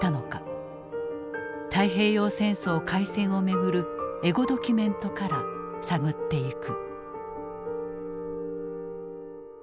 太平洋戦争開戦を巡るエゴドキュメントから探っていく。